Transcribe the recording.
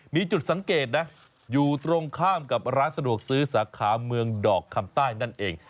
มีจุดสังเกตนะอยู่ตรงข้ามกับร้านสะดวกซื้อสาขาเมืองดอกคำใต้นั่นเอง